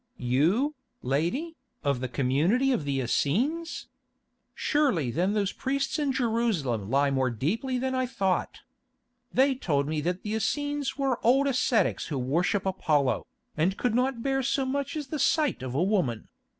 "You, lady, of the community of the Essenes! Surely then those priests in Jerusalem lie more deeply than I thought. They told me that the Essenes were old ascetics who worship Apollo, and could not bear so much as the sight of a woman.